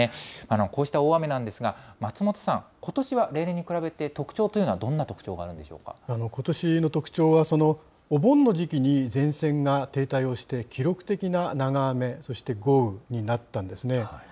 こうした大雨なんですが、松本さん、ことしは例年に比べて、特徴というのはどんな特徴があることしの特徴は、お盆の時期に前線が停滞をして、記録的な長雨、そして豪雨になったんですね。